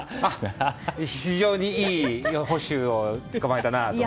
非常にいい捕手をつかまえたなと。